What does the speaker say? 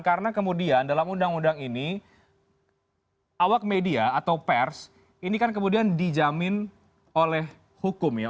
karena kemudian dalam undang undang ini awak media atau pers ini kan kemudian dijamin oleh hukum ya